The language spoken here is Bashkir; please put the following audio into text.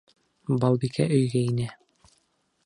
Балбикә өйгә инә.